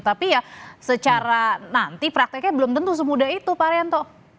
tapi ya secara nanti prakteknya belum tentu semudah itu pak haryanto